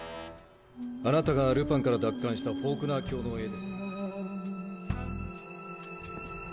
あなたがルパンから奪還したフォークナー卿の絵ですが。